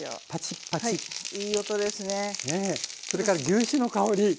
それから牛脂の香り。